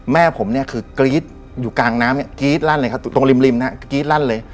แม่ผมเนี่ยคือกรี๊ดอยู่กลางน้ำเนี่ยกรี๊ดลั่นเลยครับตรงริมนะฮะกรี๊ดลั่นเลย